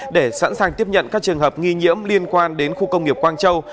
để sẵn sàng tiếp nhận các trường hợp nghi nhiễm liên quan đến khu công nghiệp quang châu